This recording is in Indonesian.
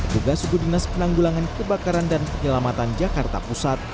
tugasukudinas penanggulangan kebakaran dan penyelamatan jakarta pusat